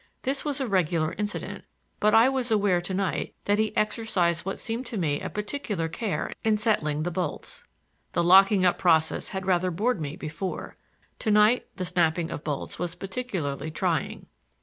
This was a regular incident, but I was aware to night that he exercised what seemed to me a particular care in settling the bolts. The locking up process had rather bored me before; to night the snapping of bolts was particularly trying.